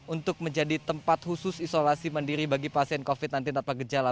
untuk menjadi tempat khusus isolasi mandiri bagi pasien covid sembilan belas tanpa gejala